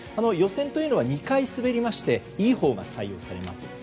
予選というのは２回滑りましていいほうが採用されます。